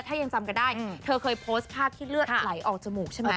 ถ้ายังจำกันได้เธอเคยโพสต์ภาพที่เลือดไหลออกจมูกใช่ไหม